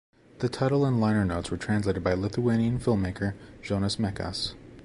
The title and liner notes were translated by Lithuanian filmmaker Jonas Mekas.